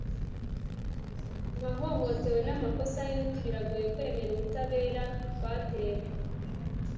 nkahohotewe n'amakosa y'undi, biragoye kwemera ububabare twatewe